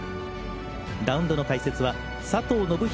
ラウンドの解説は佐藤信人